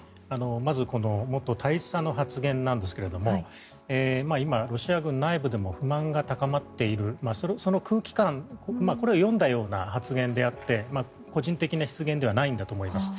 まず元大佐の発言ですが今、ロシア軍内部でも不満が高まっているその空気感これを読んだような発言であって個人的な失言ではないんだと思います。